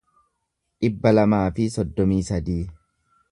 dhibba lamaa fi soddomii sadii